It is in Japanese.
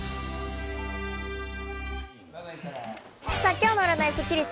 今日の占いスッキリす。